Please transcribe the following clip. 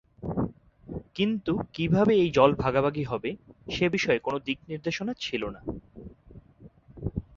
কিন্তু কী ভাবে এই জল ভাগাভাগি হবে সে বিষয়ে কোন দিকনির্দেশনা ছিল না।